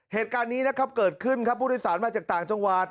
เหตุการณ์นี้นะครับเกิดขึ้นครับผู้โดยสารมาจากต่างจังหวัด